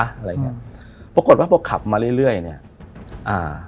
อะไรอย่างเงี้ยปรากฏว่าพอขับมาเรื่อยเรื่อยเนี้ยอ่า